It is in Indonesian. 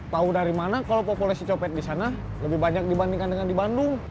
tahu dari mana kalau populasi copet di sana lebih banyak dibandingkan dengan di bandung